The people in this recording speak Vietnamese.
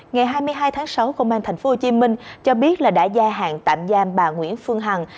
ngày hai mươi hai tháng sáu công an tp hcm cho biết là đã gia hạn tạm giam bà nguyễn phương hằng